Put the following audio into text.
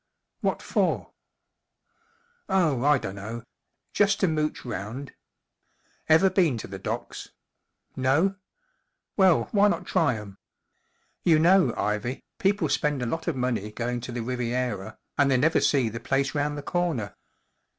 " What for ?"" Oh, I dunno. Just to mooch round. Ever been to the docks ? No ? Well* why not try 'em ? You know* Ivy* people spend a lot of money going to the Riviera, and they never see the place round the corner.